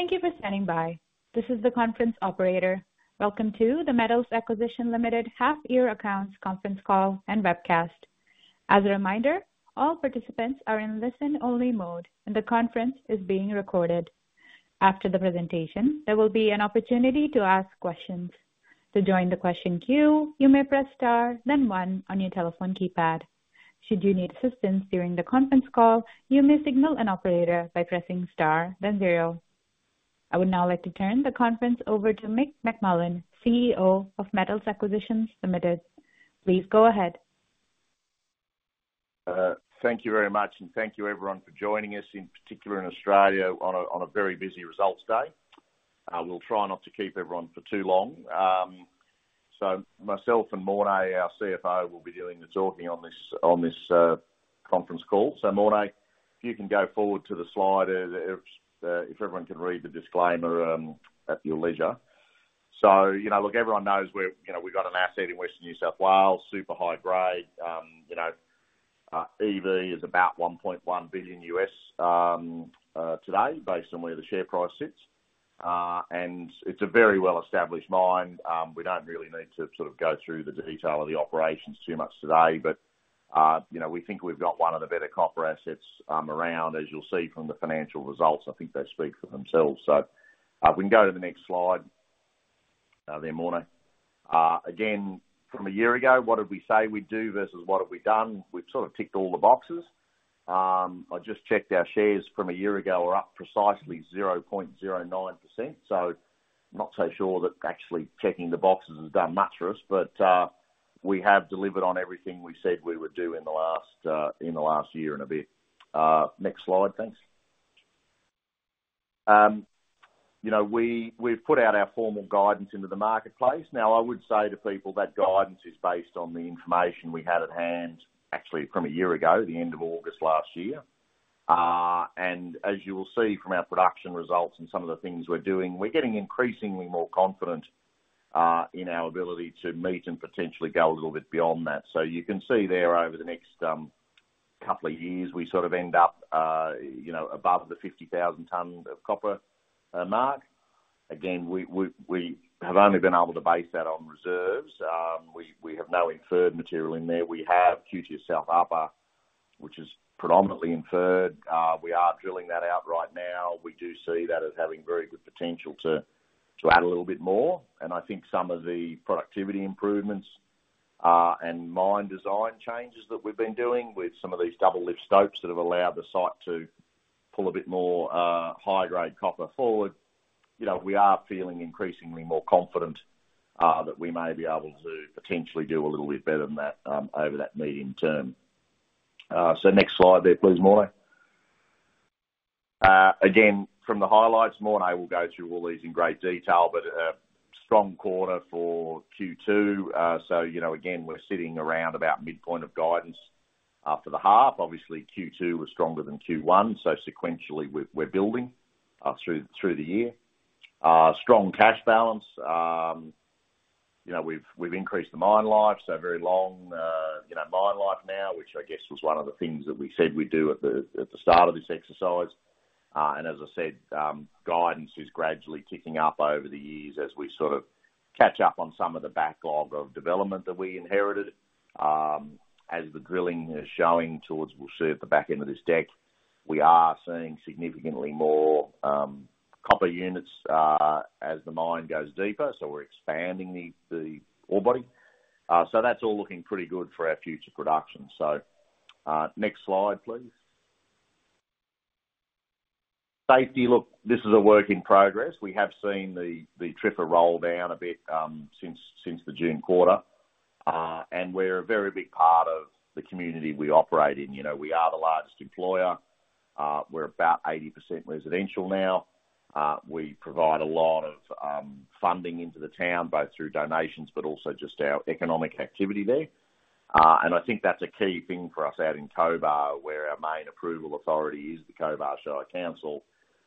Thank you for standing by. This is the conference operator. Welcome to the Metals Acquisition Limited Half Year Accounts Conference Call and Webcast. As a reminder, all participants are in listen-only mode, and the conference is being recorded. After the presentation, there will be an opportunity to ask questions. To join the question queue, you may press Star, then one on your telephone keypad. Should you need assistance during the conference call, you may signal an operator by pressing Star, then zero. I would now like to turn the conference over to Mick McMullen, CEO of Metals Acquisition Limited. Please go ahead. Thank you very much, and thank you everyone for joining us, in particular in Australia, on a very busy results day. We'll try not to keep everyone for too long. So myself and Morné, our CFO, will be doing the talking on this conference call. So Morné, if you can go forward to the slide, if everyone can read the disclaimer at your leisure. So, you know, look, everyone knows we're you know, we've got an asset in Western New South Wales, super high grade. You know, EV is about $1.1 billion today, based on where the share price sits. And it's a very well-established mine. We don't really need to sort of go through the detail of the operations too much today, but, you know, we think we've got one of the better copper assets around, as you'll see from the financial results. I think they speak for themselves. We can go to the next slide there, Morné. Again, from a year ago, what did we say we'd do versus what have we done? We've sort of ticked all the boxes. I just checked our shares from a year ago are up precisely 0.09%, so not so sure that actually checking the boxes has done much for us. We have delivered on everything we said we would do in the last year and a bit. Next slide, thanks. You know, we've put out our formal guidance into the marketplace. Now, I would say to people that guidance is based on the information we had at hand, actually from a year ago, the end of August last year. And as you will see from our production results and some of the things we're doing, we're getting increasingly more confident in our ability to meet and potentially go a little bit beyond that. So you can see there over the next couple of years, we sort of end up, you know, above the 50,000 tonnes of copper mark. Again, we have only been able to base that on reserves. We have no inferred material in there. We have QTS South Upper, which is predominantly inferred. We are drilling that out right now. We do see that as having very good potential to add a little bit more, and I think some of the productivity improvements and mine design changes that we've been doing with some of these double lift stopes that have allowed the site to pull a bit more high grade copper forward. You know, we are feeling increasingly more confident that we may be able to potentially do a little bit better than that over that medium term, so next slide there, please, Morné. Again, from the highlights, Morné will go through all these in great detail, but a strong quarter for Q2. So you know, again, we're sitting around about midpoint of guidance after the half. Obviously, Q2 was stronger than Q1, so sequentially, we're building through the year. Strong cash balance. You know, we've increased the mine life, so very long, you know, mine life now, which I guess was one of the things that we said we'd do at the start of this exercise. And as I said, guidance is gradually ticking up over the years as we sort of catch up on some of the backlog of development that we inherited. As the drilling is showing towards, we'll see at the back end of this deck, we are seeing significantly more copper units as the mine goes deeper, so we're expanding the ore body. So that's all looking pretty good for our future production. Next slide, please. Safety, look, this is a work in progress. We have seen the TRIFR roll down a bit since the June quarter. And we're a very big part of the community we operate in. You know, we are the largest employer. We're about 80% residential now. We provide a lot of funding into the town, both through donations, but also just our economic activity there. And I think that's a key thing for us out in Cobar, where our main approval authority is the Cobar Shire Council,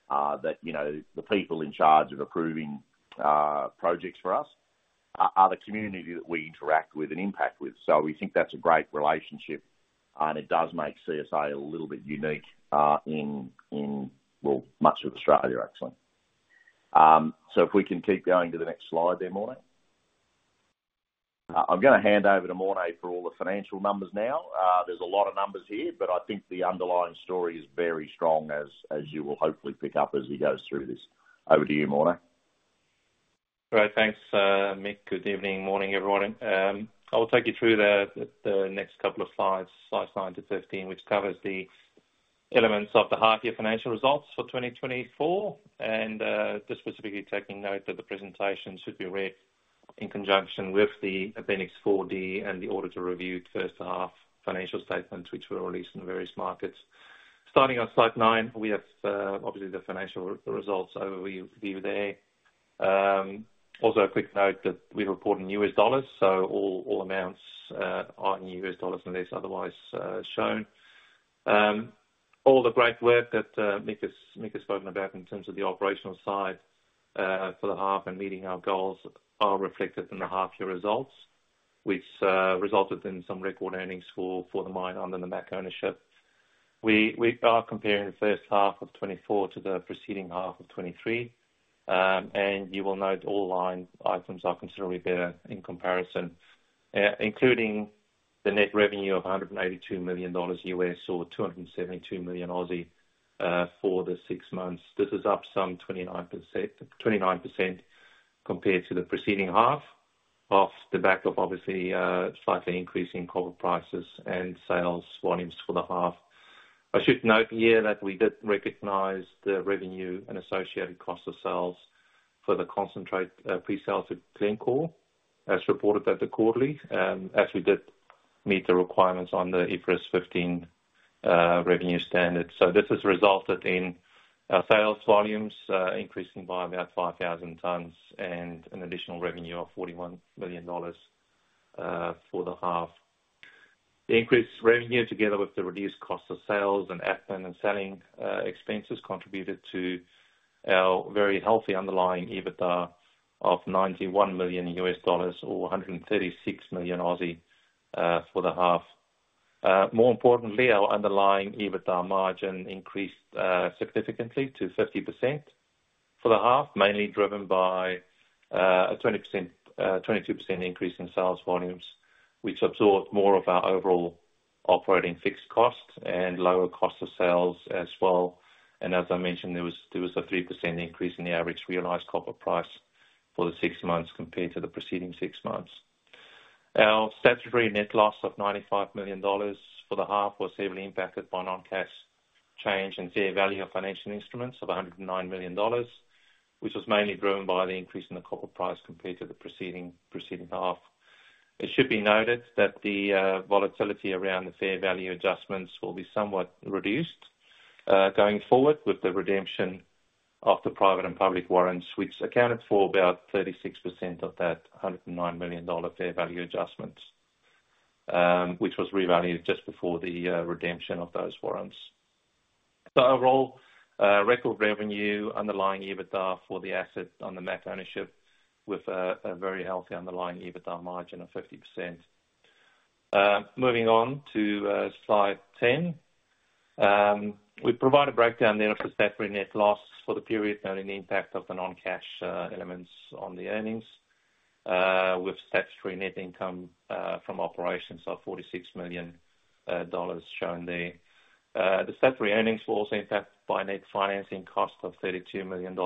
that you know, the people in charge of approving projects for us are the community that we interact with and impact with. So we think that's a great relationship, and it does make CSA a little bit unique in, well, much of Australia, actually. So if we can keep going to the next slide there, Morné. I'm gonna hand over to Morné for all the financial numbers now. There's a lot of numbers here, but I think the underlying story is very strong, as you will hopefully pick up as he goes through this. Over to you, Morné. Great. Thanks, Mick. Good evening, morning, everyone. I will take you through the next couple of slides, slides 9-15, which covers the elements of the half year financial results for 2024, and just specifically taking note that the presentation should be read in conjunction with the Appendix 4D and the auditor-reviewed first half financial statements, which were released in the various markets. Starting on slide 9, we have obviously the financial results, so we leave it there. Also a quick note that we report in U.S. dollars, so all amounts are in U.S. dollars, unless otherwise shown. All the great work that Mick has spoken about in terms of the operational side for the half and meeting our goals are reflected in the half year results... which resulted in some record earnings for the mine under the MAC ownership. We are comparing the first half of 2024 to the preceding half of 2023, and you will note all line items are considerably better in comparison, including the net revenue of $182 million, or 272 million, for the six months. This is up some 29% compared to the preceding half, off the back of obviously slightly increasing copper prices and sales volumes for the half. I should note here that we did recognize the revenue and associated cost of sales for the concentrate pre-sale to Glencore, as reported at the quarterly, as we did meet the requirements on the IFRS 15 revenue standard. This has resulted in sales volumes increasing by about 5,000 tonnes and additional revenue of $41 million for the half. The increased revenue, together with the reduced cost of sales and admin and selling expenses, contributed to our very healthy underlying EBITDA of $91 million or 136 million for the half. More importantly, our underlying EBITDA margin increased significantly to 50% for the half, mainly driven by a 22% increase in sales volumes, which absorbed more of our overall operating fixed costs and lower cost of sales as well. As I mentioned, there was a 3% increase in the average realized copper price for the six months compared to the preceding six months. Our statutory net loss of $95 million for the half was heavily impacted by non-cash changes in fair value of financial instruments of $109 million, which was mainly driven by the increase in the copper price compared to the preceding half. It should be noted that the volatility around the fair value adjustments will be somewhat reduced going forward with the redemption of the private and public warrants, which accounted for about 36% of that $109 million fair value adjustments, which was revalued just before the redemption of those warrants. So overall, record revenue underlying EBITDA for the asset on the MAC ownership with a very healthy underlying EBITDA margin of 50%. Moving on to slide 10. We provide a breakdown there of the statutory net loss for the period, noting the impact of the non-cash elements on the earnings, with statutory net income from operations of $46 million shown there. The statutory earnings were also impacted by net financing costs of $32 million,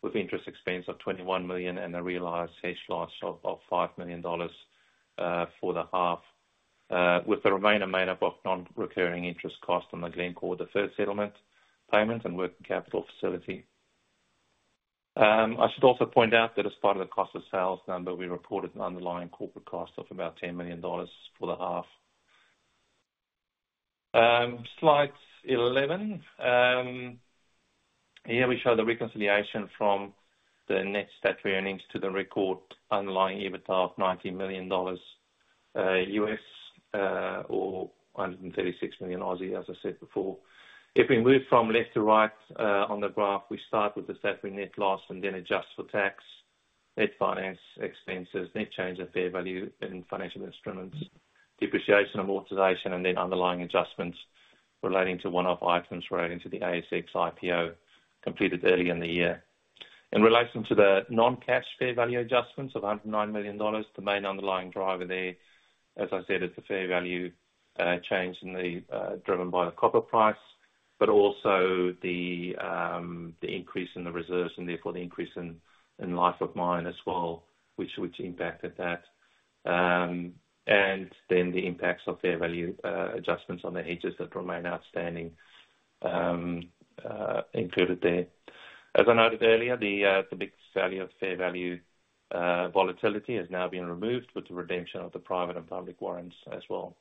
with interest expense of $21 million, and a realized hedge loss of $5 million for the half. With the remainder made up of non-recurring interest costs on the Glencore deferred settlement payment and working capital facility. I should also point out that as part of the cost of sales number, we reported an underlying corporate cost of about $10 million for the half. Slide 11. Here we show the reconciliation from the net statutory earnings to the record underlying EBITDA of $90 million or 136 million, as I said before. If we move from left to right on the graph, we start with the statutory net loss and then adjust for tax, net finance expenses, net change of fair value in financial instruments, depreciation, amortization, and then underlying adjustments relating to one-off items relating to the ASX IPO completed early in the year. In relation to the non-cash fair value adjustments of $109 million, the main underlying driver there, as I said, is the fair value change in the driven by the copper price, but also the the increase in the reserves and therefore the increase in life of mine as well, which impacted that. And then the impacts of fair value adjustments on the hedges that remain outstanding included there. As I noted earlier, the big value of fair value volatility has now been removed with the redemption of the private and public warrants as well.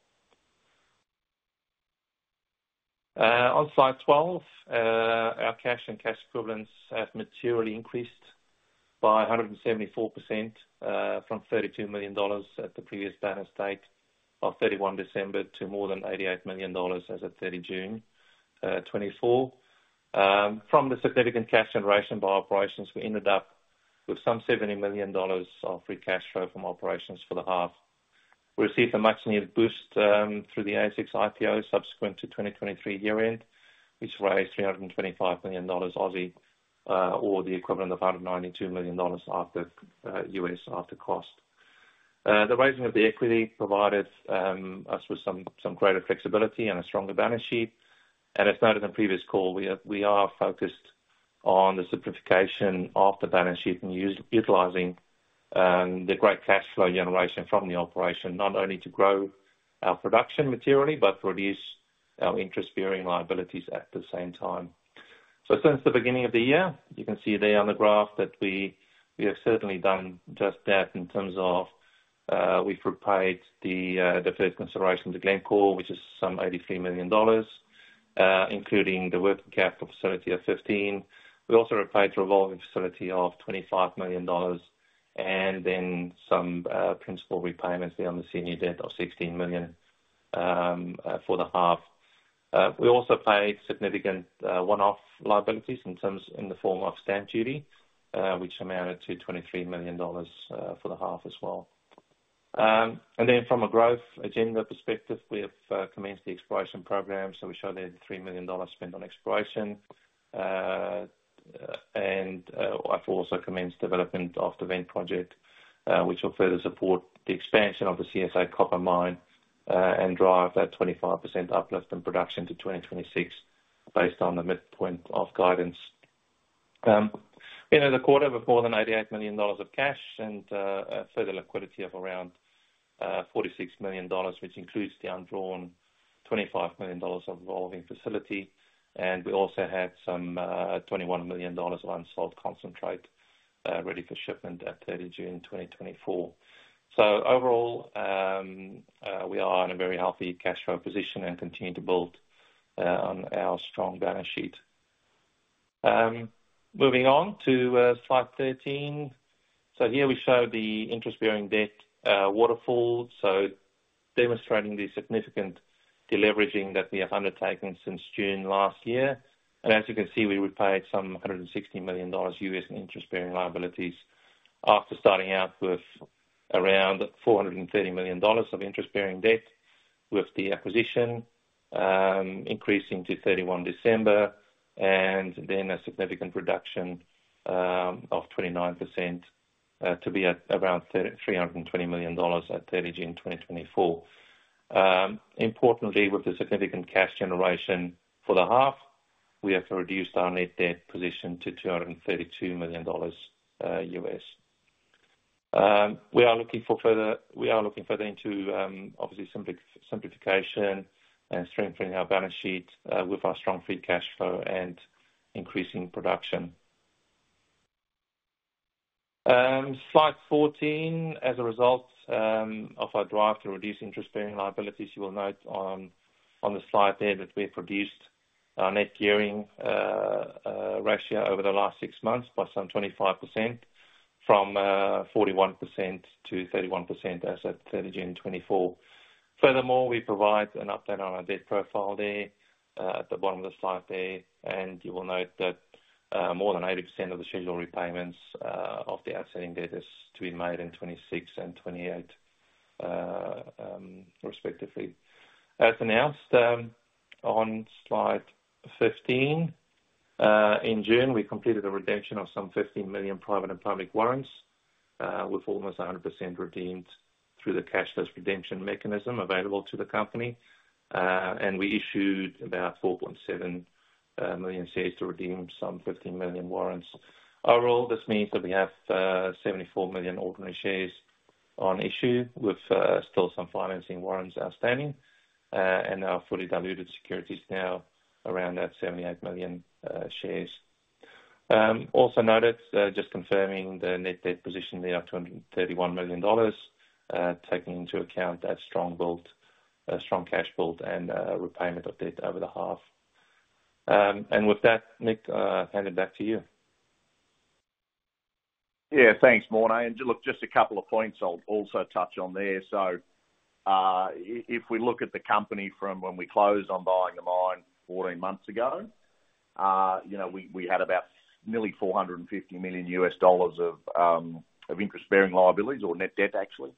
On slide 12, our cash and cash equivalents have materially increased by 174% from $32 million at the previous balance date of 31 December to more than $88 million as at 30 June 2024. From the significant cash generation by operations, we ended up with $70 million of free cash flow from operations for the half. We received a much-needed boost through the ASX IPO subsequent to 2023 year-end, which raised 325 million Aussie dollars, or the equivalent of $192 million after U.S. costs. The raising of the equity provided us with some greater flexibility and a stronger balance sheet. As noted in the previous call, we are focused on the simplification of the balance sheet and utilizing the great cash flow generation from the operation, not only to grow our production materially, but reduce our interest-bearing liabilities at the same time. So since the beginning of the year, you can see there on the graph that we have certainly done just that in terms of we've repaid the deferred consideration to Glencore, which is some $83 million, including the working capital facility of $15 million. We also repaid the revolving facility of $25 million, and then some principal repayments there on the senior debt of $16 million for the half. We also paid significant one-off liabilities in the form of stamp duty, which amounted to $23 million for the half as well. And then from a growth agenda perspective, we have commenced the exploration program, so we show there the $3 million spent on exploration. I've also commenced development of the Vent Project, which will further support the expansion of the CSA Copper Mine, and drive that 25% uplift in production to 2026 based on the midpoint of guidance. We end the quarter with more than $88 million of cash and a further liquidity of around $46 million, which includes the undrawn $25 million of revolving facility. We also had some $21 million of unsold concentrate ready for shipment at 30 June 2024. Overall, we are in a very healthy cash flow position and continue to build on our strong balance sheet. Moving on to slide 13. Here we show the interest-bearing debt waterfall, demonstrating the significant deleveraging that we have undertaken since June last year. As you can see, we repaid $160 million in interest-bearing liabilities after starting out with around $430 million of interest-bearing debt with the acquisition, increasing to 31 December, and then a significant reduction of 29% to be at around $320 million at 30 June 2024. Importantly, with the significant cash generation for the half, we have reduced our net debt position to $232 million. We are looking further into obviously simplification and strengthening our balance sheet with our strong free cash flow and increasing production. Slide 14. As a result of our drive to reduce interest-bearing liabilities, you will note on the slide there that we've reduced our net gearing ratio over the last six months by some 25% from 41% to 31% as at 30 June 2024. Furthermore, we provide an update on our debt profile there at the bottom of the slide there, and you will note that more than 80% of the scheduled repayments of the outstanding debt is to be made in 2026 and 2028, respectively. As announced on slide 15 in June, we completed a redemption of some 15 million private and public warrants with almost 100% redeemed through the cashless redemption mechanism available to the company. And we issued about 4.7 million shares to redeem some 15 million warrants. Overall, this means that we have 74 million ordinary shares on issue, with still some financing warrants outstanding, and our fully diluted securities now around that 78 million shares. Also noted, just confirming the net debt position there of $231 million, taking into account that strong build, strong cash build and repayment of debt over the half. And with that, Mick, I'll hand it back to you. Yeah, thanks, Morné. And look, just a couple of points I'll also touch on there. So, if we look at the company from when we closed on buying the mine 14 months ago, you know, we had about nearly $450 million of interest-bearing liabilities or net debt actually.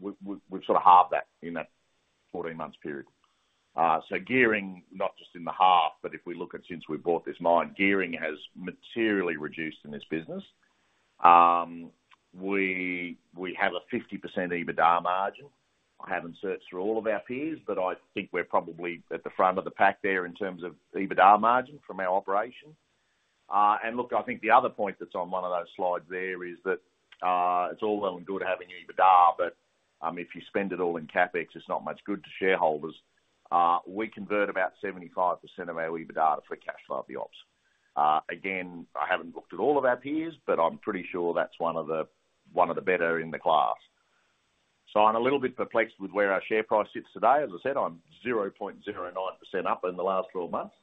We've sort of halved that in that 14 months period. So gearing, not just in the half, but if we look at since we bought this mine, gearing has materially reduced in this business. We have a 50% EBITDA margin. I haven't searched through all of our peers, but I think we're probably at the front of the pack there in terms of EBITDA margin from our operation. And look, I think the other point that's on one of those slides there is that, it's all well and good having EBITDA, but if you spend it all in CapEx, it's not much good to shareholders. We convert about 75% of our EBITDA for cash flow of the ops. Again, I haven't looked at all of our peers, but I'm pretty sure that's one of the better in the class. So I'm a little bit perplexed with where our share price sits today. As I said, I'm 0.09% up in the last 12 months,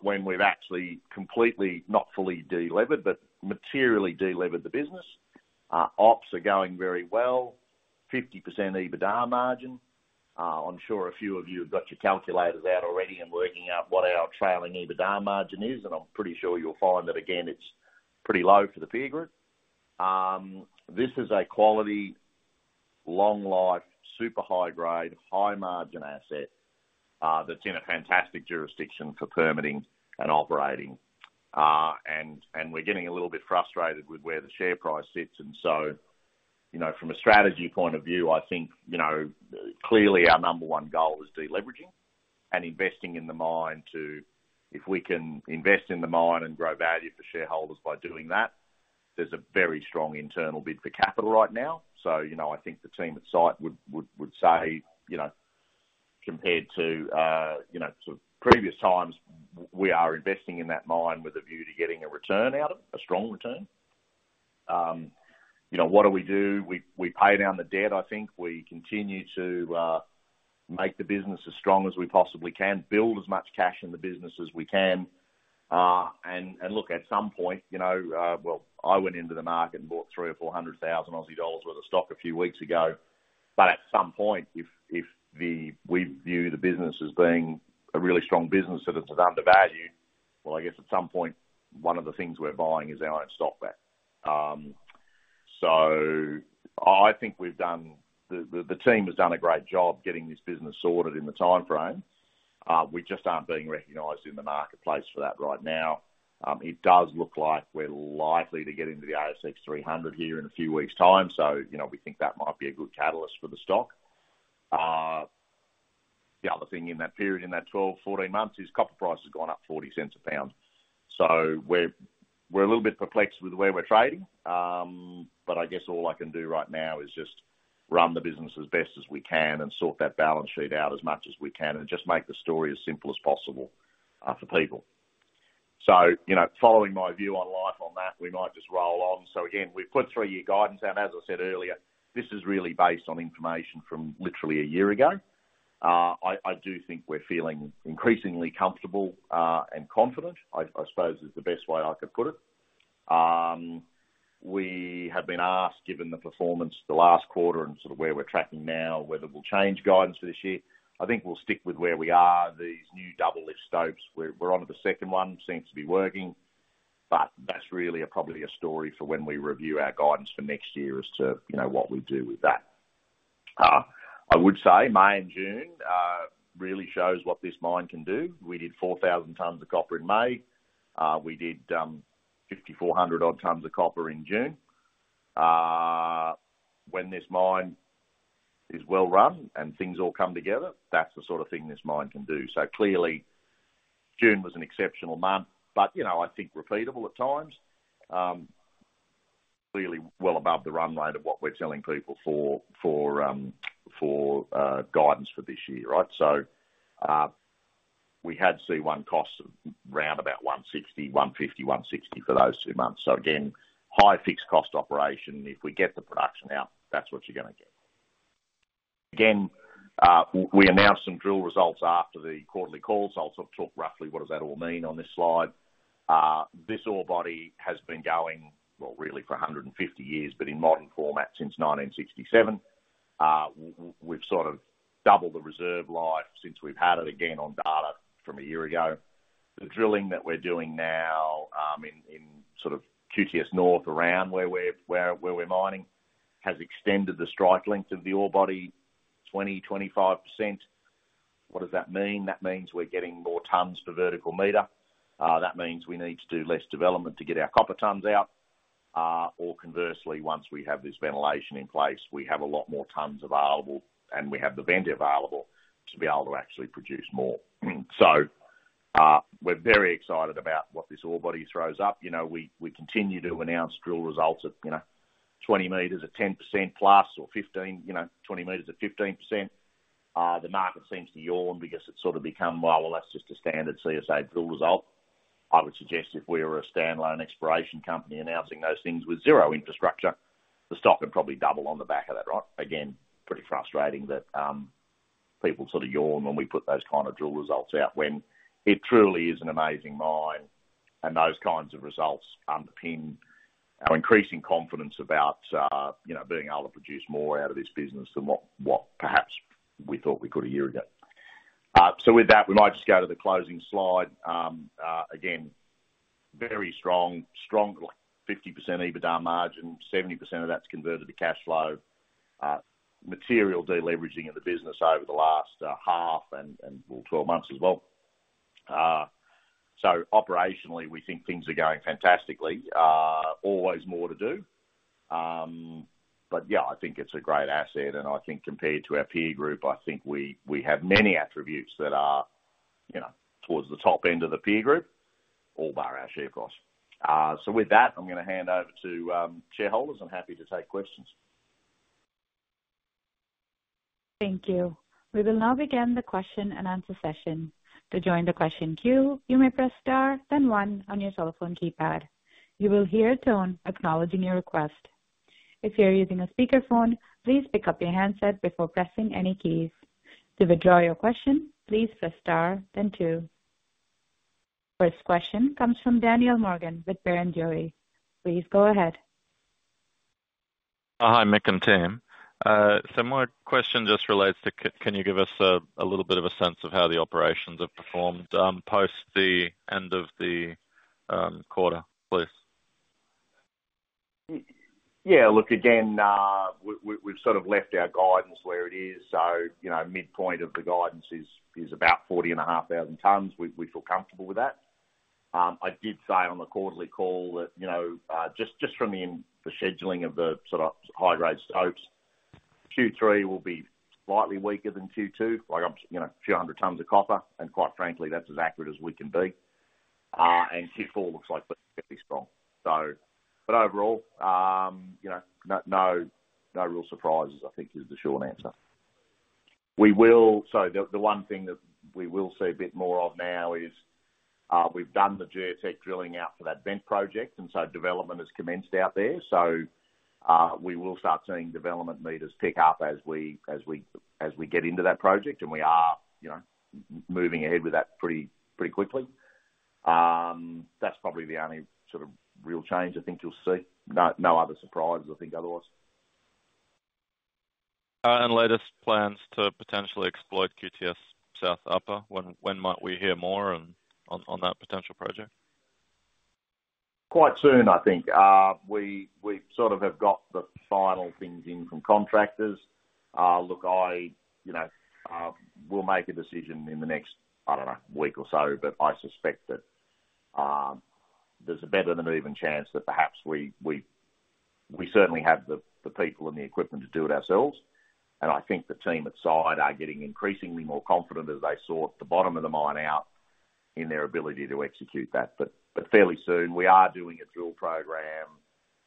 when we've actually completely, not fully delevered, but materially delevered the business. Ops are going very well, 50% EBITDA margin. I'm sure a few of you have got your calculators out already and working out what our trailing EBITDA margin is, and I'm pretty sure you'll find that again, it's pretty low for the peer group. This is a quality, long life, super high grade, high margin asset, that's in a fantastic jurisdiction for permitting and operating. And we're getting a little bit frustrated with where the share price sits, and so, you know, from a strategy point of view, I think, you know, clearly our number one goal is deleveraging and investing in the mine to, if we can invest in the mine and grow value for shareholders by doing that, there's a very strong internal bid for capital right now. So, you know, I think the team at site would say, you know, compared to, you know, sort of previous times, we are investing in that mine with a view to getting a return out of it, a strong return. You know, what do we do? We pay down the debt, I think. We continue to make the business as strong as we possibly can, build as much cash in the business as we can. And look, at some point, you know, well, I went into the market and bought 300,000 or 400,000 Aussie dollars worth of stock a few weeks ago. But at some point, if we view the business as being a really strong business, that it's undervalued. Well, I guess at some point, one of the things we're buying is our own stock back. So I think we've done. The team has done a great job getting this business sorted in the timeframe. We just aren't being recognized in the marketplace for that right now. It does look like we're likely to get into the ASX 300 here in a few weeks time, so you know, we think that might be a good catalyst for the stock. The other thing in that period, in that 12-14 months, is copper price has gone up $0.40 a pound. So we're a little bit perplexed with the way we're trading. But I guess all I can do right now is just run the business as best as we can and sort that balance sheet out as much as we can, and just make the story as simple as possible for people, so you know, following my view on life on that, we might just roll on, so again, we've put three-year guidance, and as I said earlier, this is really based on information from literally a year ago. I do think we're feeling increasingly comfortable and confident, I suppose, is the best way I could put it. We have been asked, given the performance the last quarter and sort of where we're tracking now, whether we'll change guidance for this year. I think we'll stick with where we are. These new double lift stopes, we're onto the second one, seems to be working, but that's really a probably a story for when we review our guidance for next year as to, you know, what we do with that. I would say May and June really shows what this mine can do. We did 4,000 tonnes of copper in May. We did 5,400 odd tonnes of copper in June. When this mine is well run and things all come together, that's the sort of thing this mine can do. So clearly, June was an exceptional month, but, you know, I think repeatable at times. Clearly well above the run rate of what we're telling people for guidance for this year, right? So, we had C1 costs around about $1.60, $1.50, $1.60 for those two months. So again, high fixed cost operation. If we get the production out, that's what you're gonna get. Again, we announced some drill results after the quarterly call, so I'll sort of talk roughly what does that all mean on this slide. This ore body has been going, really, for 150 years, but in modern format since 1967. We've sort of doubled the reserve life since we've had it again on data from a year ago. The drilling that we're doing now in sort of QTS North around where we're mining has extended the strike length of the ore body 20%-25%. What does that mean? That means we're getting more tonnes per vertical meter. That means we need to do less development to get our copper tonnes out. Or conversely, once we have this ventilation in place, we have a lot more tonnes available, and we have the vent available to be able to actually produce more. We're very excited about what this ore body throws up. You know, we continue to announce drill results of, you know, 20 m at 10%+ or 15%, you know, 20 m at 15%. The market seems to yawn because it's sort of become, "Well, well, that's just a standard CSA drill result." I would suggest if we were a standalone exploration company announcing those things with zero infrastructure, the stock would probably double on the back of that, right? Again, pretty frustrating that people sort of yawn when we put those kind of drill results out, when it truly is an amazing mine, and those kinds of results underpin our increasing confidence about, you know, being able to produce more out of this business than what perhaps we thought we could a year ago. So with that, we might just go to the closing slide. Again, very strong, like 50% EBITDA margin, 70% of that's converted to cash flow, material deleveraging of the business over the last half and well, 12 months as well. So operationally, we think things are going fantastically. Always more to do. But yeah, I think it's a great asset, and I think compared to our peer group, I think we have many attributes that are, you know, towards the top end of the peer group, all bar our share, of course, so with that, I'm gonna hand over to shareholders. I'm happy to take questions. Thank you. We will now begin the question-and-answer session. To join the question queue, you may press Star, then one on your telephone keypad. You will hear a tone acknowledging your request. If you are using a speakerphone, please pick up your handset before pressing any keys. To withdraw your question, please press Star, then two. First question comes from Daniel Morgan with Barrenjoey. Please go ahead. Hi, Mick and team. So my question just relates to can you give us a little bit of a sense of how the operations have performed post the end of the quarter, please? Yeah, look, again, we've sort of left our guidance where it is. So, you know, midpoint of the guidance is about 40,500 tonnes. We feel comfortable with that. I did say on the quarterly call that, you know, just from the scheduling of the sort of high-grade stopes, Q3 will be slightly weaker than Q2, like, you know, a few hundred tonnes of copper, and quite frankly, that's as accurate as we can be. And Q4 looks like pretty strong. So, but overall, you know, no real surprises, I think is the short answer. We will, so the one thing that we will see a bit more of now is, we've done the geotech drilling out for that Vent Project, and so development has commenced out there. So... We will start seeing development meters pick up as we get into that project, and we are, you know, moving ahead with that pretty quickly. That's probably the only sort of real change I think you'll see. No other surprises, I think otherwise. And latest plans to potentially exploit QTS South Upper, when might we hear more on that potential project? Quite soon, I think. We sort of have got the final things in from contractors. Look, I, you know, we'll make a decision in the next, I don't know, week or so, but I suspect that there's a better than even chance that perhaps we certainly have the people and the equipment to do it ourselves. And I think the team at site are getting increasingly more confident as they sort the bottom of the mine out in their ability to execute that. But fairly soon, we are doing a drill program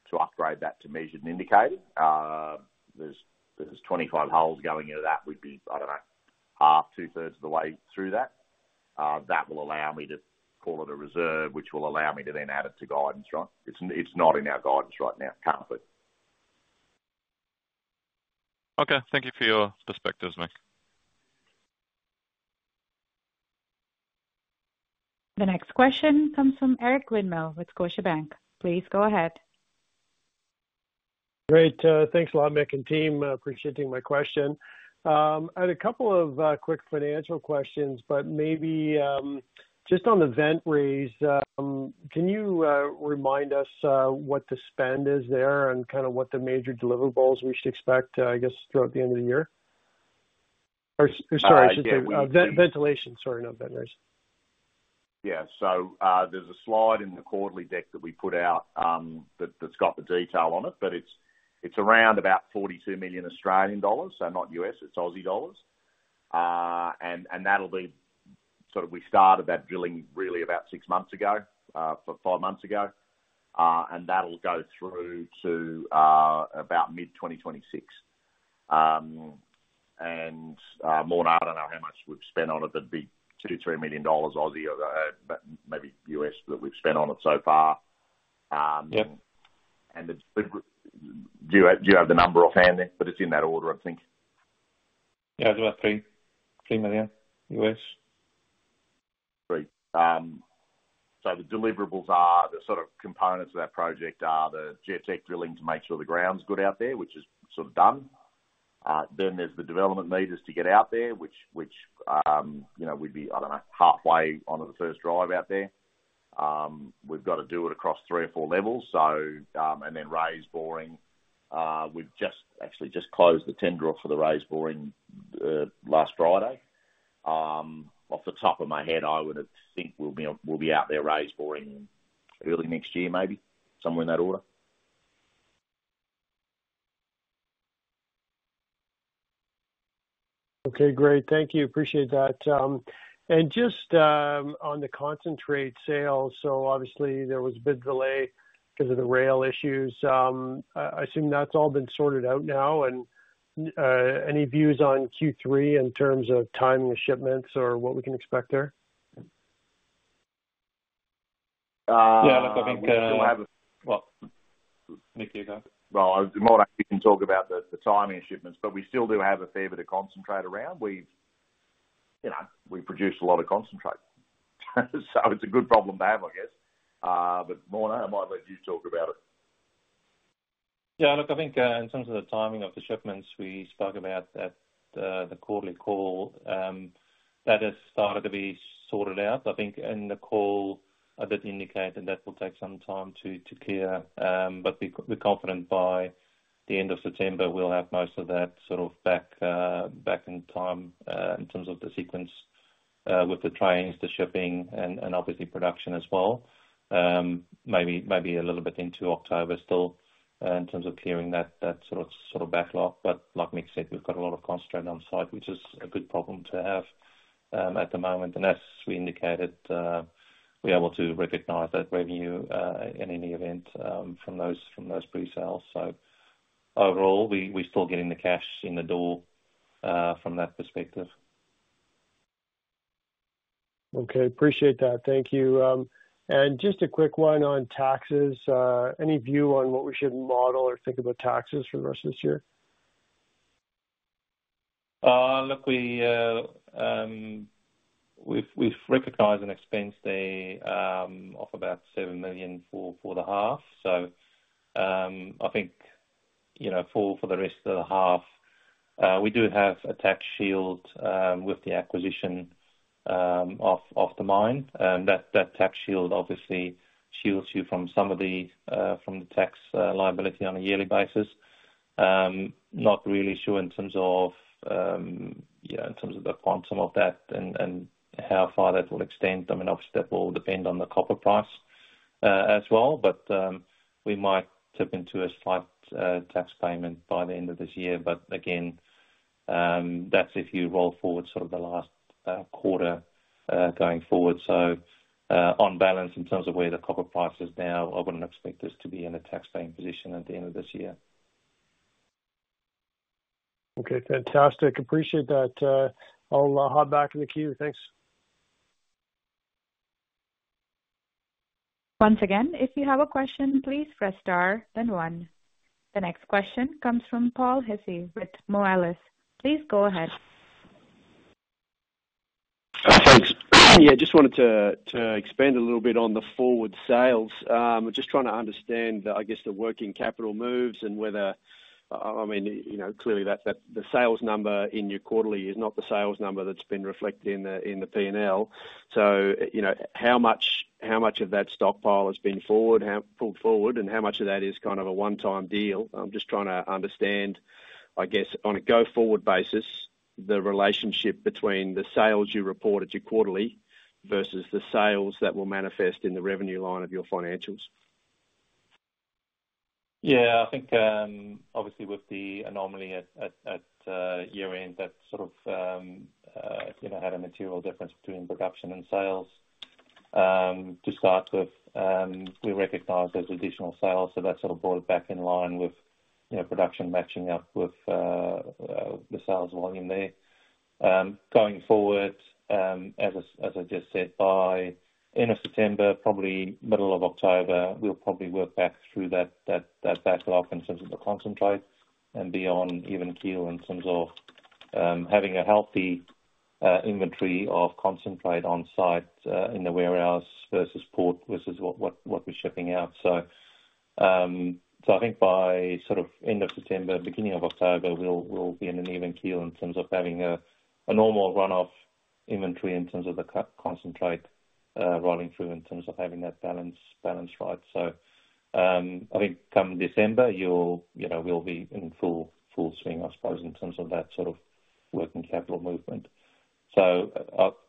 to upgrade that to measured and indicated. There's 25 holes going into that. We'd be, I don't know, half, two-thirds of the way through that. That will allow me to call it a reserve, which will allow me to then add it to guidance, right? It's not in our guidance right now. Can't put. Okay, thank you for your perspectives, Mick. The next question comes from Eric Winmill with Scotiabank. Please go ahead. Great. Thanks a lot, Mick and team, appreciating my question. I had a couple of quick financial questions, but maybe just on the vent raise, can you remind us what the spend is there and kind of what the major deliverables we should expect, I guess, throughout the end of the year? Or sorry, just the ventilation, sorry, not vent raise. Yeah. So, there's a slide in the quarterly deck that we put out, that, that's got the detail on it, but it's, it's around about 42 million Australian dollars, so not U.S., it's AUD. And, that'll be... Sort of we started that drilling really about six months ago, for five months ago. And that'll go through to, about mid-2026. And, Morné, I don't know how much we've spent on it. That'd be 2 million-3 million dollars, but maybe USD, that we've spent on it so far. Yeah. And it's, do you have the number offhand there? But it's in that order, I think. Yeah, it's about $3.3 million. Great. So the deliverables are, the sort of components of that project are the geotech drilling to make sure the ground's good out there, which is sort of done. Then there's the development meters to get out there, which you know, we'd be, I don't know, halfway onto the first drive out there. We've got to do it across three or four levels, so, and then raise boring. We've just actually closed the tender for the raise boring last Friday. Off the top of my head, I would think we'll be out there raise boring early next year, maybe, somewhere in that order. Okay, great. Thank you. Appreciate that, and just on the concentrate sales, so obviously there was a bit of delay because of the rail issues. I assume that's all been sorted out now, and any views on Q3 in terms of timing the shipments or what we can expect there? Uhh. Yeah, look, I think, well, Mick, you go. Morné, you can talk about the timing of shipments, but we still do have a fair bit of concentrate around. We've, you know, we produce a lot of concentrate. So it's a good problem to have, I guess. But Morné, I might let you talk about it. Yeah, look, I think in terms of the timing of the shipments, we spoke about at the quarterly call that has started to be sorted out. I think in the call, I did indicate that that will take some time to clear, but we're confident by the end of September, we'll have most of that sort of back in time in terms of the sequence with the trains, the shipping, and obviously production as well. Maybe a little bit into October, still, in terms of clearing that sort of backlog. But like Mick said, we've got a lot of concentrate on site, which is a good problem to have at the moment. As we indicated, we're able to recognize that revenue in any event from those pre-sales. Overall, we're still getting the cash in the door from that perspective. Okay, appreciate that. Thank you. And just a quick one on taxes, any view on what we should model or think about taxes for the rest of this year? Look, we've recognized and expensed about 7 million for the half, so I think, you know, for the rest of the half, we do have a tax shield with the acquisition of the mine, and that tax shield obviously shields you from some of the tax liability on a yearly basis. Not really sure in terms of, yeah, in terms of the quantum of that and how far that will extend. I mean, obviously, that will depend on the copper price as well, but we might tip into a slight tax payment by the end of this year, but again, that's if you roll forward sort of the last quarter going forward. On balance, in terms of where the copper price is now, I wouldn't expect us to be in a tax-paying position at the end of this year. Okay, fantastic. Appreciate that. I'll hop back in the queue. Thanks. Once again, if you have a question, please press Star, then one. The next question comes from Paul Hissey with Moelis. Please go ahead. Thanks. Yeah, just wanted to expand a little bit on the forward sales. Just trying to understand, I guess, the working capital moves and whether. I mean, you know, clearly that the sales number in your quarterly is not the sales number that's been reflected in the P&L. So, you know, how much of that stockpile has been forward, how pulled forward, and how much of that is kind of a one-time deal? I'm just trying to understand, I guess, on a go-forward basis, the relationship between the sales you report at your quarterly versus the sales that will manifest in the revenue line of your financials. Yeah, I think, obviously with the anomaly at year-end, that sort of, you know, had a material difference between production and sales. To start with, we recognized as additional sales, so that sort of brought it back in line with, you know, production matching up with the sales volume there. Going forward, as I just said, by end of September, probably middle of October, we'll probably work back through that backlog in terms of the concentrate and be on even keel in terms of having a healthy inventory of concentrate on site, in the warehouse versus port, versus what we're shipping out. So, so I think by sort of end of September, beginning of October, we'll be in an even keel in terms of having a normal run-off inventory in terms of the copper concentrate rolling through, in terms of having that balance right. So, I think come December, you'll, you know, we'll be in full swing, I suppose, in terms of that sort of working capital movement. So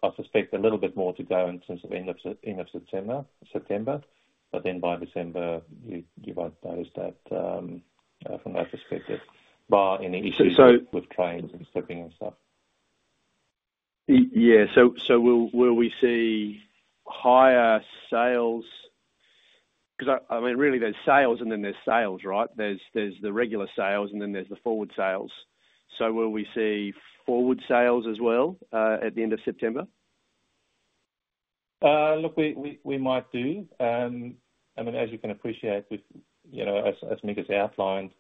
I suspect a little bit more to go in terms of end of September, but then by December, you won't notice that from that perspective, bar any issues with trains and shipping and stuff. Yeah, so will we see higher sales? 'Cause I mean, really, there's sales and then there's sales, right? There's the regular sales, and then there's the forward sales. So will we see forward sales as well, at the end of September? Look, we might do. I mean, as you can appreciate with, you know, as Mick has outlined,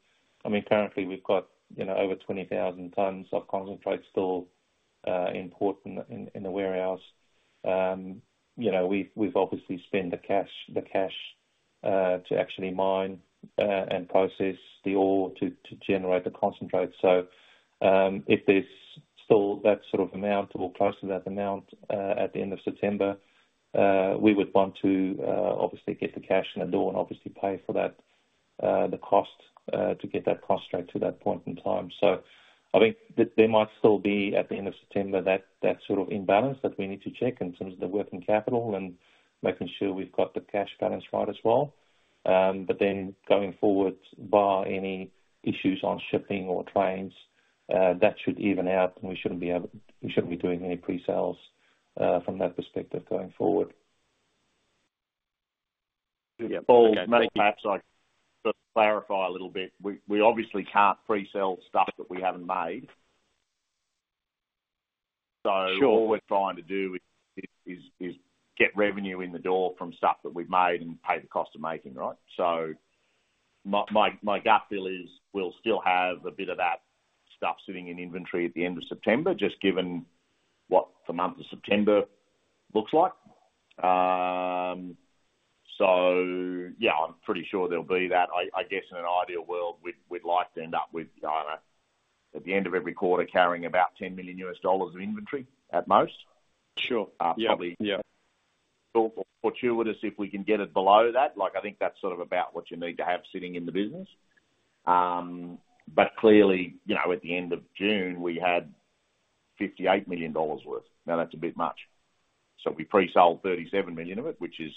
I mean, currently we've got, you know, over 20,000 tonnes of concentrate still in port, in the warehouse. You know, we've obviously spent the cash to actually mine and process the ore to generate the concentrate. If there's still that sort of amount or close to that amount at the end of September, we would want to obviously get the cash in the door and obviously pay for that, the cost to get that cost straight to that point in time. So I think that there might still be, at the end of September, that sort of imbalance that we need to check in terms of the working capital and making sure we've got the cash balance right as well. But then going forward, bar any issues on shipping or trains, that should even out and we shouldn't be doing any pre-sales, from that perspective going forward. Yeah. Okay, thank you. Perhaps I just clarify a little bit. We obviously can't pre-sell stuff that we haven't made. So all we're trying to do is get revenue in the door from stuff that we've made and pay the cost of making, right? So my gut feel is we'll still have a bit of that stuff sitting in inventory at the end of September, just given what the month of September looks like. So yeah, I'm pretty sure there'll be that. I guess in an ideal world, we'd like to end up with, at the end of every quarter, carrying about $10 million of inventory at most. Sure. Yeah. Yeah. Fortuitous, if we can get it below that, like, I think that's sort of about what you need to have sitting in the business. But clearly, you know, at the end of June, we had $58 million worth. Now, that's a bit much. So we pre-sold $37 million of it, which is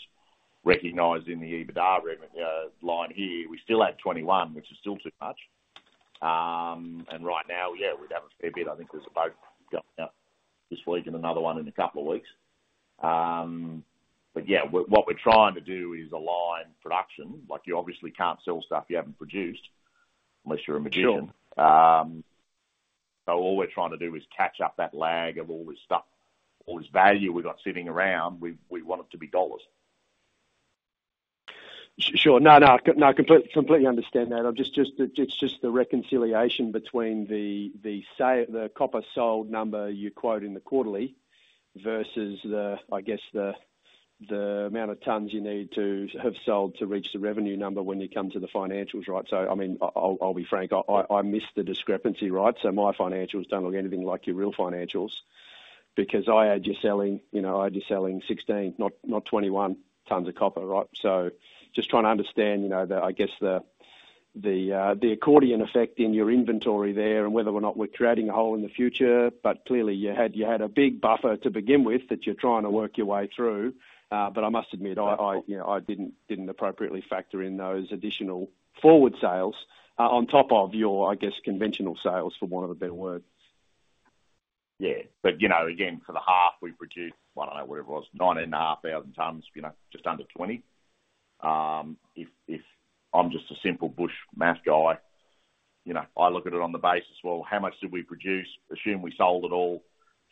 recognized in the EBITDA revenue line here. We still had 21, which is still too much. And right now, yeah, we have a fair bit. I think there's a boat going out this week and another one in a couple of weeks. But yeah, what we're trying to do is align production. Like, you obviously can't sell stuff you haven't produced, unless you're a magician. Sure. So all we're trying to do is catch up that lag of all this stuff, all this value we've got sitting around, we want it to be dollars. Sure. No, completely understand that. I'm just, it's just the reconciliation between the copper sold number you quote in the quarterly versus the, I guess, the amount of tonnes you need to have sold to reach the revenue number when you come to the financials, right? So I mean, I'll be frank, I missed the discrepancy, right? So my financials don't look anything like your real financials because I had you selling, you know, I had you selling 16 tonnes, not 21 tonnes of copper, right? So just trying to understand, you know, the, I guess, the accordion effect in your inventory there and whether or not we're creating a hole in the future. But clearly, you had a big buffer to begin with that you're trying to work your way through. But I must admit, you know, I didn't appropriately factor in those additional forward sales on top of your, I guess, conventional sales, for want of a better word. Yeah. But you know, again, for the half, we produced, I don't know what it was, 9,500 tonnes, you know, just under 20 tonnes. If I'm just a simple bush math guy. You know, I look at it on the basis, well, how much did we produce? Assume we sold it all,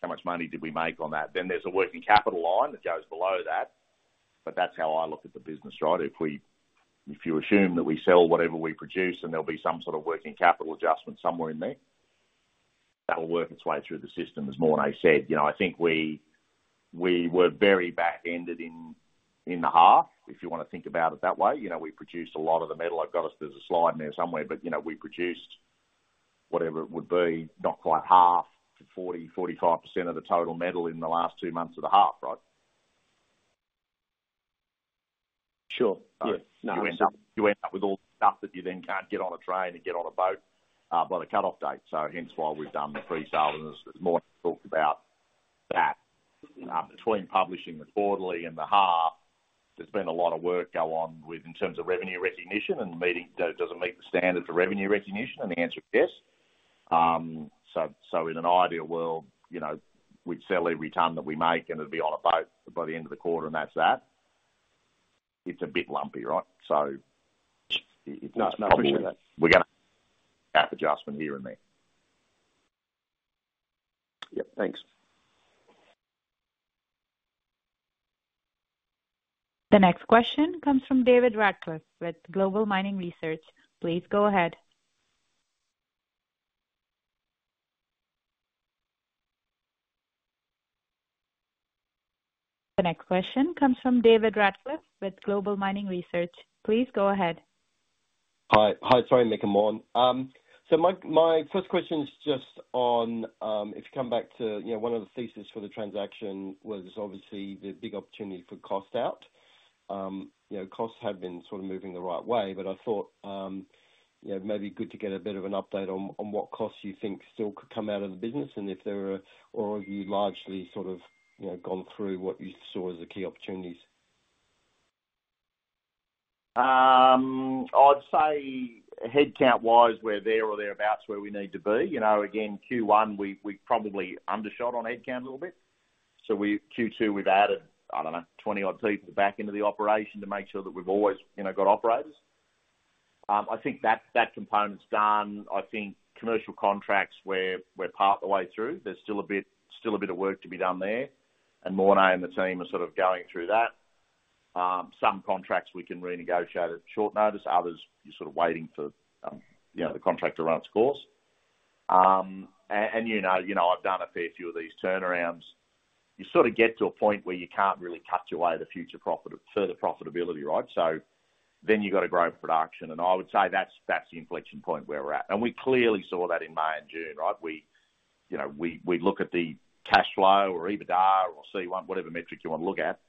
how much money did we make on that? Then there's a working capital line that goes below that, but that's how I look at the business, right? If you assume that we sell whatever we produce, then there'll be some sort of working capital adjustment somewhere in there. That will work its way through the system. As Morné said, you know, I think we were very back-ended in the half, if you wanna think about it that way. You know, we produced a lot of the metal. There's a slide in there somewhere, but, you know, we produced whatever it would be, not quite half to 40-45% of the total metal in the last two months of the half, right? Sure. Yes. You end up with all the stuff that you then can't get on a train and get on a boat by the cutoff date. So hence why we've done the presale, and as Morné talked about that. Between publishing the quarterly and the half, there's been a lot of work go on within terms of revenue recognition and does it meet the standard for revenue recognition? And the answer is yes. So in an ideal world, you know, we'd sell every ton that we make, and it'll be on a boat by the end of the quarter, and that's that. It's a bit lumpy, right? So it's probably we're gonna have adjustment here and there. Yep, thanks. The next question comes from David Radclyffe with Global Mining Research. Please go ahead. Hi. Hi, sorry, Mick and Morné. So my first question is just on if you come back to, you know, one of the thesis for the transaction was obviously the big opportunity for cost out. You know, costs have been sort of moving the right way, but I thought, you know, it may be good to get a bit of an update on what costs you think still could come out of the business, and if there are or are you largely sort of, you know, gone through what you saw as the key opportunities? I'd say headcount-wise, we're there or thereabouts where we need to be. You know, again, Q1, we probably undershot on headcount a little bit. So Q2, we've added, I don't know, 20 odd people back into the operation to make sure that we've always, you know, got operators. I think that component's done. I think commercial contracts we're part the way through. There's still a bit of work to be done there, and Morné and the team are sort of going through that. Some contracts we can renegotiate at short notice, others you're sort of waiting for, you know, the contract to run its course. And you know, I've done a fair few of these turnarounds. You sort of get to a point where you can't really cut your way to future profit, further profitability, right? So then you've got to grow production, and I would say that's the inflection point where we're at, and we clearly saw that in May and June, right? We, you know, we look at the cash flow or EBITDA or C1, whatever metric you want to look at,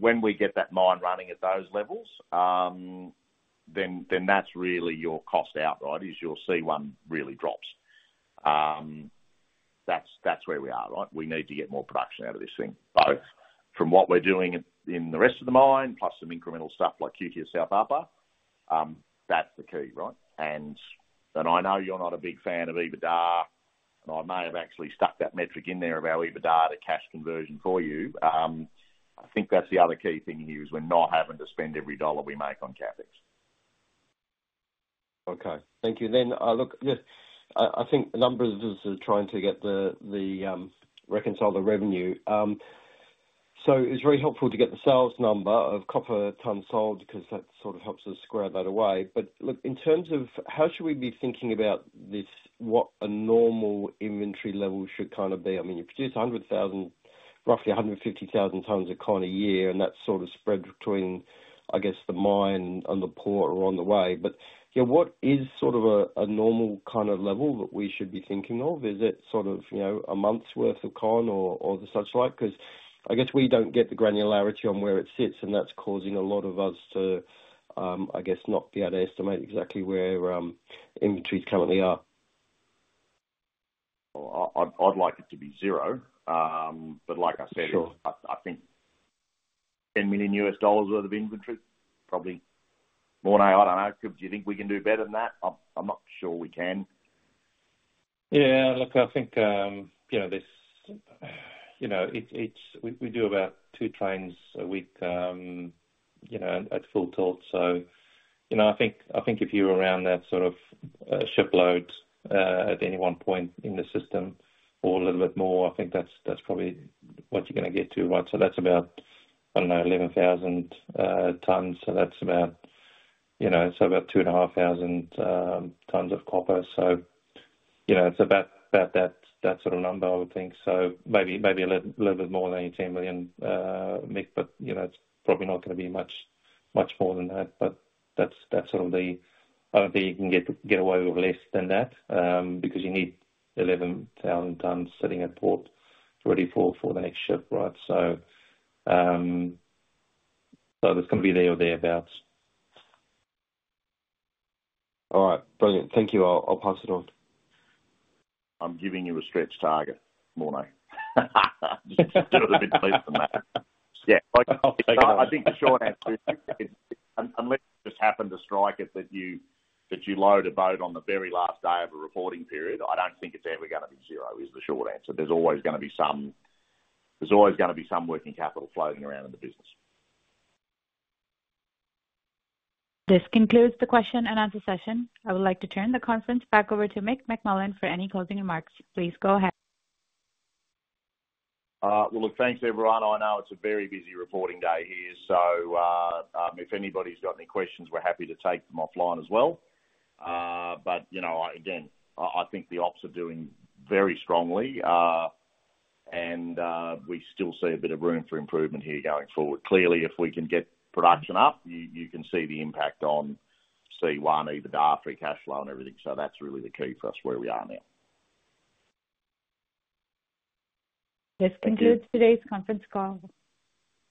when we get that mine running at those levels, then that's really your cost out, right? Your C1 really drops. That's where we are, right? We need to get more production out of this thing, both from what we're doing in the rest of the mine, plus some incremental stuff like QTS South Upper. That's the key, right? I know you're not a big fan of EBITDA, and I may have actually stuck that metric in there of our EBITDA, the cash conversion for you. I think that's the other key thing here, is we're not having to spend every dollar we make on CapEx. Okay. Thank you. Then, look, just, I think the numbers are trying to reconcile the revenue. So it's very helpful to get the sales number of copper tonnes sold, because that sort of helps us square that away. But, look, in terms of how should we be thinking about this, what a normal inventory level should kind of be? I mean, you produce 100,000 tonnes, roughly 150,000 tonnes of copper a year, and that's sort of spread between, I guess, the mine and the port or on the way. But, yeah, what is sort of a normal kind of level that we should be thinking of? Is it sort of, you know, a month's worth of copper or the such like? Because I guess we don't get the granularity on where it sits, and that's causing a lot of us to, I guess, not be able to estimate exactly where inventories currently are. I'd like it to be zero. But like I said, I think $10 million worth of inventory, probably. Morné, I don't know. Do you think we can do better than that? I'm not sure we can. Yeah, look, I think, you know, this, you know, it's we do about two trains a week, you know, at full tilt. So, you know, I think if you're around that sort of shipload at any one point in the system or a little bit more, I think that's probably what you're gonna get to, right? So that's about, I don't know, 11,000 tonnes. So that's about, you know, so about 2,500 tonnes of copper. So, you know, it's about that sort of number, I would think. So maybe a little bit more than $18 million, Mick, but, you know, it's probably not gonna be much more than that. But that's sort of the... I don't think you can get away with less than that, because you need 11,000 tonnes sitting at port, ready for the next ship, right? So, so it's gonna be there or thereabouts. All right. Brilliant. Thank you. I'll pass it on. I'm giving you a stretch target, Morné. Just do it a bit less than that. Yeah. I think the short answer is, unless you just happened to strike it, that you load a boat on the very last day of a reporting period, I don't think it's ever gonna be zero, is the short answer. There's always gonna be some working capital floating around in the business. This concludes the question and answer session. I would like to turn the conference back over to Mick McMullen for any closing remarks. Please go ahead. Well, look, thanks, everyone. I know it's a very busy reporting day here, so, if anybody's got any questions, we're happy to take them offline as well. But, you know, again, I think the ops are doing very strongly, and we still see a bit of room for improvement here going forward. Clearly, if we can get production up, you can see the impact on C1, EBITDA, free cash flow and everything. So that's really the key for us where we are now. This concludes today's conference call.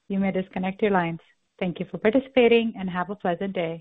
You may disconnect your lines. Thank you for participating, and have a pleasant day.